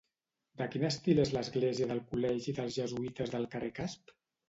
De quin estil és l'església del col·legi dels Jesuïtes del carrer Casp?